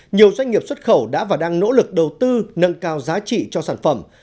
nhiều doanh nghiệp xuất khẩu đã và đang nỗ lực đầu tư nâng cao giá trị cho sản phẩm